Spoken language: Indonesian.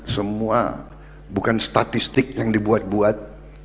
semua bukan statistik yang dibuat buat